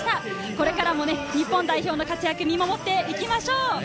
これからも日本代表の活躍、見守っていきましょう。